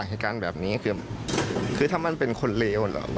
จากการแบบนี้คือถ้ามันเป็นคนลวแล้ว